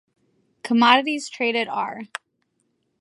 Commodities traded are